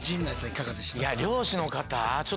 いかがでしたか？